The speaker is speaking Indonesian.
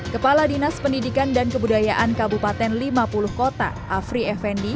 kepala dinas pendidikan dan kebudayaan kabupaten lima puluh kota afri effendi